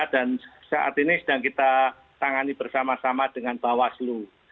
dan saat ini sedang kita tangani bersama sama dengan bawaslu